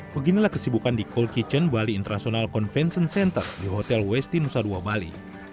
beginilah kesibukan di cold kitchen bali international convention center di hotel westi nusa dua bali